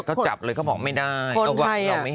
เขาจับเลยเขาบอกไม่ได้